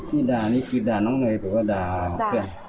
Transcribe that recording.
ที่ด่านี่คือด่าน้องเนยหรือว่าด่าเพื่อน